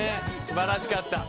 素晴らしかった。